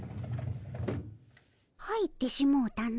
入ってしもうたの。